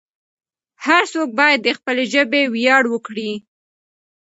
هر څوک باید د خپلې ژبې ویاړ وکړي.